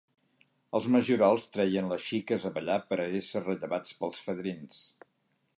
Els majorals treien les xiques a ballar per a ésser rellevats pels fadrins.